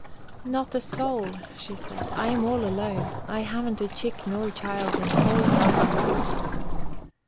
"Not a soul," she said. "I am all alone. I haven't a chick nor child in all the wide world!"